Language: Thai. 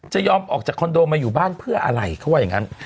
ยอมออกจากคอนโดมาอยู่บ้านเพื่ออะไรเขาว่าอย่างนั้น